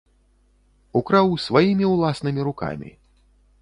Украў сваімі ўласнымі рукамі.